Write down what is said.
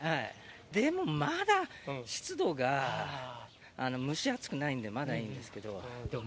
でもまだ湿度が蒸し暑くないんで、まだいいんですけど。